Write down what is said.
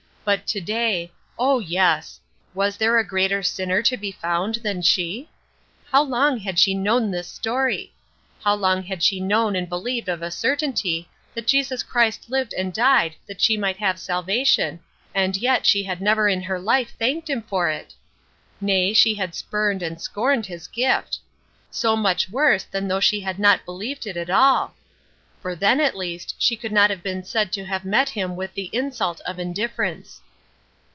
But to day, oh yes. Was there a greater sinner to be found than she? How long she had known this story! How long she had known and believed of a certainty that Jesus Christ lived and died that she might have salvation, and yet she had never in her life thanked him for it! Nay, she had spurned and scorned his gift! So much worse than though she had not believed it at all! For then at least she could not have been said to have met him with the insult of indifference.